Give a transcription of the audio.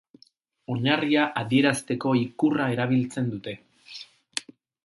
Oinarria adierazteko ikurra erabiltzen dute.